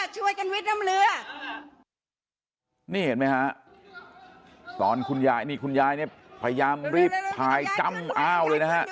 ช่วยกันวิดน้ำเรือนี่เห็นไหมฮะตอนคุณยายนี่คุณยายเนี่ยพยายามรีบพายจ้ำอ้าวเลยนะฮะ